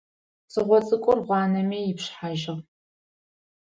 Цыгъо цӏыкӏур, гъуанэми ипшыхьажьыгъ.